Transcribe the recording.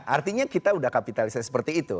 artinya kita sudah kapitalisasi seperti itu